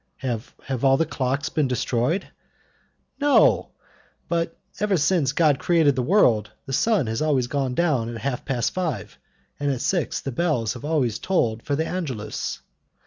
"Have all the clocks been destroyed?" "No, but ever since God created the world, the sun has always gone down at half past five, and at six the bells have always been tolled for the Angelus.